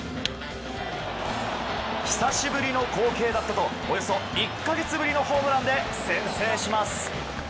久しぶりの光景だったとおよそ１か月ぶりのホームランで先制します。